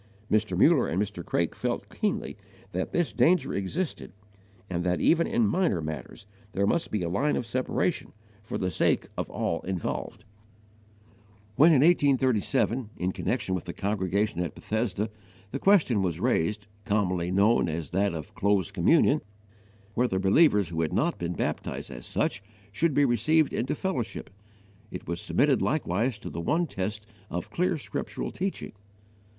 Mr. Muller and Mr. Craik felt keenly that this danger existed and that even in minor matters there must be a line of separation, for the sake of all involved. * 2 Cor. vi. 14 18. When, in 1837, in connection with the congregation at Bethesda, the question was raised commonly known as that of close communion whether believers who had not been baptized as such should be received into fellowship, it was submitted likewise to the one test of clear scripture teaching.